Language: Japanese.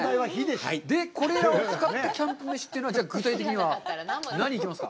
で、これらを使ったキャンプ飯というのは具体的には何を行きますか。